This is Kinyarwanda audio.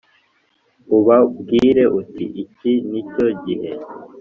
Ubabwire uti iki ni cyo gihe